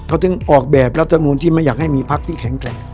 เขาถึงออกแบบและเติบโน้นที่มาอยากให้มีพักที่แข็งแกร่ง